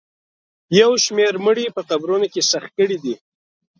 یو شمېر مړي په قبرونو کې ښخ کړي دي